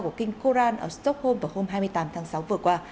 của kinh koran ở stockholm vào hôm hai mươi tám tháng sáu vừa qua